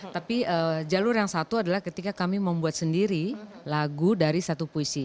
tapi jalur yang satu adalah ketika kami membuat sendiri lagu dari satu puisi